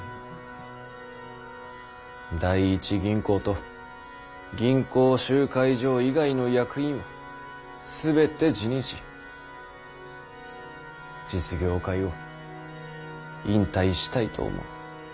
第一銀行と銀行集会所以外の役員を全て辞任し実業界を引退したいと思う。